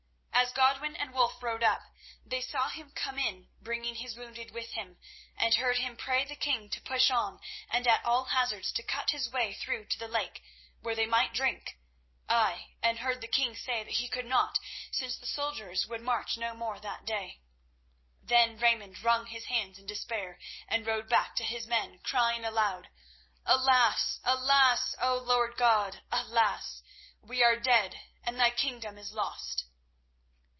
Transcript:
As Godwin and Wulf rode up, they saw him come in bringing his wounded with him, and heard him pray the king to push on and at all hazards to cut his way through to the lake, where they might drink—ay, and heard the king say that he could not, since the soldiers would march no more that day. Then Raymond wrung his hands in despair and rode back to his men, crying aloud: "Alas! alas! Oh! Lord God, alas! We are dead, and Thy Kingdom is lost."